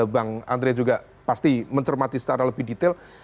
bang andre juga pasti mencermati secara lebih detail